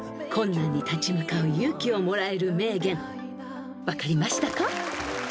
［困難に立ち向かう勇気をもらえる名言分かりましたか？］